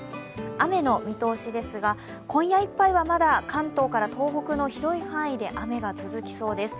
雨の見通しですが今夜いっぱいはまだ関東から東北の広い範囲で雨が続きそうです。